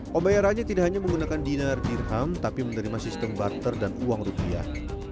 pembayarannya tidak hanya menggunakan dinner dirham tapi menerima sistem barter dan uang rupiah